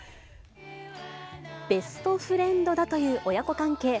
ベストフレンドだという親子関係。